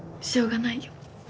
しょうがないよ。